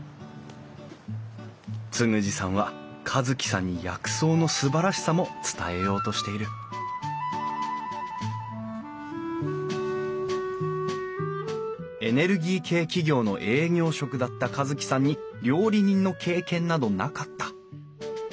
嗣二さんは一樹さんに薬草のすばらしさも伝えようとしているエネルギー系企業の営業職だった一樹さんに料理人の経験などなかった。